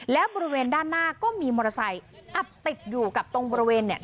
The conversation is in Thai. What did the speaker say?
และบริเวณด้านหน้าก็มีมอเตอร์ไซค์อัดติดอยู่กับตรงบริเวณเนี่ย